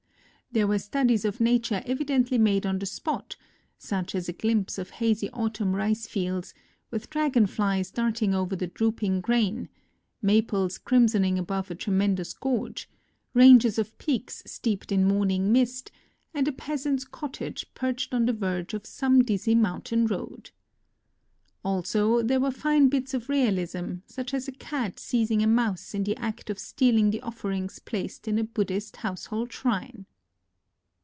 There were studies of nature evi dently made on the spot: such as a glimpse of hazy autumn rice fields, with dragonflies darting over the drooping grain; maples crimsoning above a tremendous gorge ; ranges of peaks steeped in morning mist ; and a peas ant's cottage perched on the verge of some dizzy mountain road. Also there were fine NOTES OF A TRIP TO KYOTO 47 bits of realism, such as a cat seizing a mouse in tlie act of stealing the offerings placed in a Buddhist household shrine.